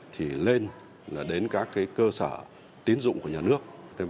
thì nên đến các cơ sở tiến dụng của nhà nước